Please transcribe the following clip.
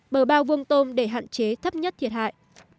bờ bao vuông tôm để hạn chế thấp nhất thiệt hại